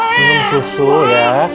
minum susu ya